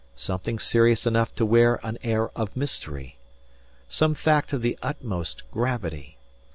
Something serious enough to wear an air of mystery. Some fact of the utmost gravity.